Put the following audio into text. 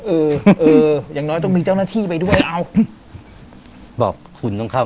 เอออย่างน้อยต้องมีเจ้าหน้าที่ไปด้วยเอา